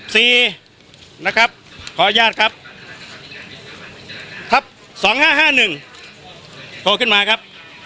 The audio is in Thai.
สี่นะครับขออนุญาตครับทัพสองห้าห้าหนึ่งโทรขึ้นมาครับ